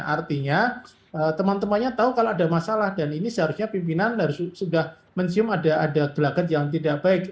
artinya teman temannya tahu kalau ada masalah dan ini seharusnya pimpinan sudah mencium ada gelagat yang tidak baik